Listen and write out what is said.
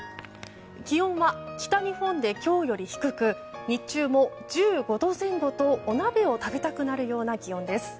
気温は北日本で今日より低く日中も１５度前後とお鍋を食べたくなるような気温です。